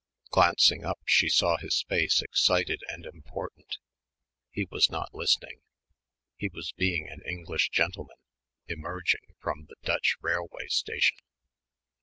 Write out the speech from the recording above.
Glancing up she saw his face excited and important. He was not listening. He was being an English gentleman, "emerging" from the Dutch railway station.